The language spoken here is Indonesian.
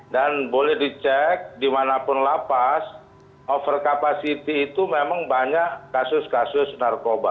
dan boleh dicek dimanapun la paz over capacity itu memang banyak kasus kasus narkoba